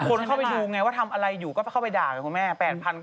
คนเข้าไปดูไงว่าทำอะไรอยู่ก็เข้าไปด่าไงคุณแม่